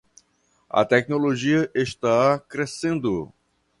A tecnologia está crescendo